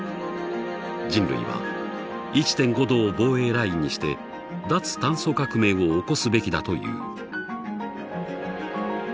人類は１．５℃を防衛ラインにして脱炭素革命を起こすべきだという。